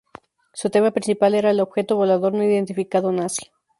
Su tema principal era el objeto volador no identificado nazi.